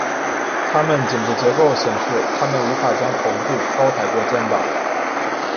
它们颈部结构显示它们无法将头部高抬过肩膀。